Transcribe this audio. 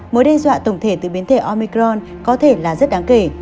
mối đe dọa tổng thể từ biến thể omicron có thể là rất đáng kể